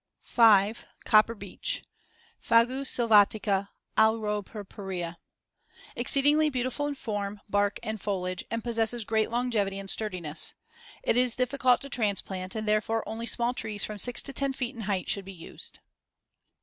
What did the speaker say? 5. Copper beech (Fagus sylvatica, alropurpurea) Exceedingly beautiful in form, bark, and foliage and possesses great longevity and sturdiness. It is difficult to transplant and therefore only small trees from 6 to 10 feet in height should be used.